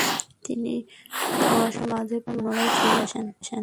তিনি জনসাধারণের মাঝে পুনরায় ফিরে আসেন।